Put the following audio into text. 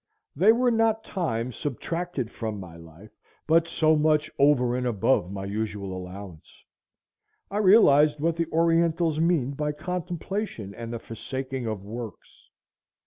They were not time subtracted from my life, but so much over and above my usual allowance. I realized what the Orientals mean by contemplation and the forsaking of works.